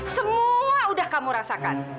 semua udah kamu rasakan